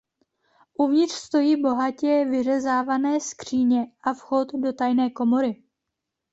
Uvnitř stojí bohatě vyřezávané skříně a vchod do tajné komory.